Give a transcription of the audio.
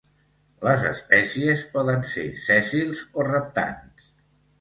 Les espècies poden ser sèssils o reptants.